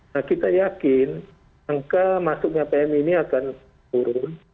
nah kita yakin angka masuknya pmi ini akan turun